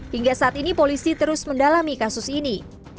hingga saat ini polisi terus mendalami kasus ini